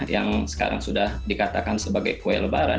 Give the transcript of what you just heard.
yang sekarang sudah dikatakan sebagai kue lebaran